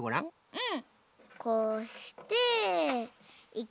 うん。